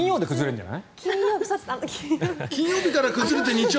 金曜日で崩れるんじゃない？